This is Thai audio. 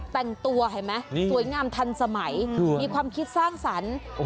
แต่งตัวเห็นไหมสวยงามทันสมัยมีความคิดสร้างสรรค์